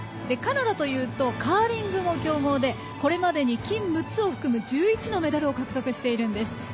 カナダというとカーリングの強豪でこれまでに金６つを含む１１のメダルを獲得しています。